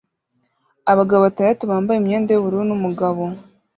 Abagabo batandatu bambaye imyenda yubururu numugabo